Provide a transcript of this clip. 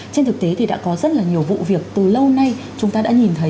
trên thực tế thì đã có rất là nhiều vụ việc từ lâu nay chúng ta đã nhìn thấy